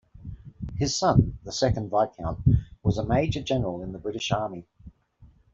His son, the second Viscount, was a Major-General in the British Army.